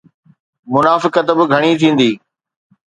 منافقت به گهڻي ٿيندي.